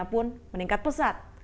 namun meningkat pesat